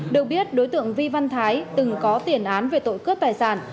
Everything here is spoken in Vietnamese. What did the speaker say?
được biết đối tượng vi văn thái từng có tiền án về tội cướp tài sản